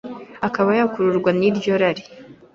akaba yakururwa n’iryo rari.